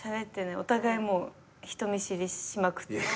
お互い人見知りしまくって。